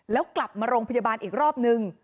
แล้วกลับมาโรงพยาบาลอีกรอบนึง